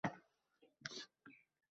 Desang badfel kishilarga yuliqmayin